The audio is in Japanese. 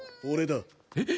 えっ？